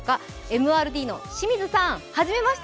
ＭＲＴの清水さん初めまして。